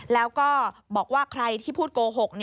แล้วก็บอกว่าใครที่พูดโกหก